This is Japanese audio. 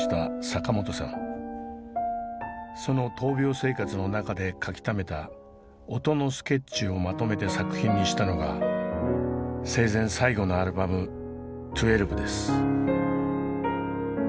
その闘病生活の中で書きためた音のスケッチをまとめて作品にしたのが生前最後のアルバム「１２」です。